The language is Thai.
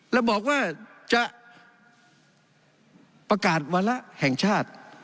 แล้วบอกว่าจะประกาศวาระแห่งชาติ